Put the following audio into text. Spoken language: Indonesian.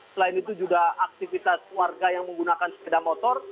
selain itu juga aktivitas warga yang menggunakan sepeda motor